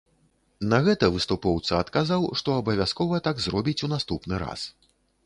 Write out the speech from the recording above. На гэта выступоўца адказаў, што абавязкова так зробіць у наступны раз.